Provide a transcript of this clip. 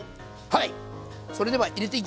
はい！